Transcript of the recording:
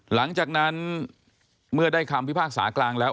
หลังจากนั้นเมื่อได้คำพิพากษากลางแล้ว